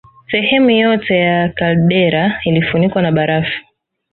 Sehemu yote ya kaldera ilifunikwa na barafu